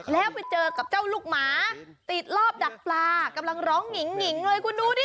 แล้วไปเจอกับเจ้าลูกหมาติดรอบดักปลากำลังร้องหิงหิงเลยคุณดูดิ